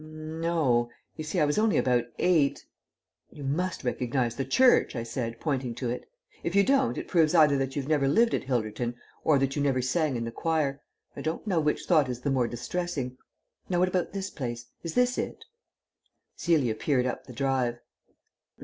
"N no. You see I was only about eight " "You must recognise the church," I said, pointing to it. "If you don't, it proves either that you never lived at Hilderton or that you never sang in the choir. I don't know which thought is the more distressing. Now what about this place? Is this it?" Celia peered up the drive.